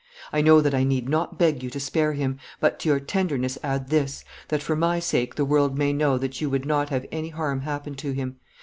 I know that I need not beg you to spare him, but to your tenderness add this, that for my sake the world may know that you would not have any harm happen to him.